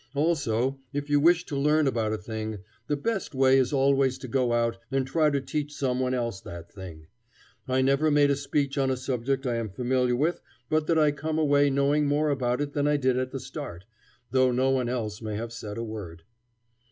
Also, if you wish to learn about a thing, the best way is always to go and try to teach some one else that thing. I never make a speech on a subject I am familiar with but that I come away knowing more about it than I did at the start, though no one else may have said a word.